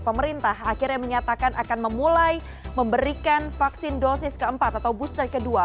pemerintah akhirnya menyatakan akan memulai memberikan vaksin dosis keempat atau booster kedua